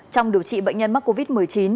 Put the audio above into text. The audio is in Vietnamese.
trong điều trị bệnh nhân mắc covid một mươi chín